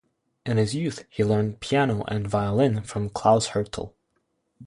In his youth he learned piano and violin from Klaus Hertel.